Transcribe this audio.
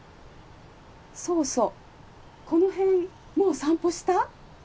そうそうこの辺もう散歩した？